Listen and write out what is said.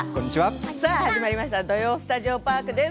さあ、始まりました「土曜スタジオパーク」です。